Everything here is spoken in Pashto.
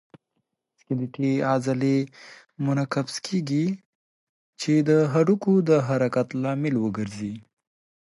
سکلیټي عضلې منقبض کېږي چې د هډوکو د حرکت لامل وګرځي.